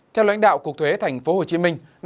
theo lãnh đạo cục thuế tp hcm